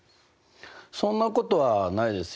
そんなことはないですよ。